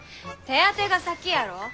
手当てが先やろ？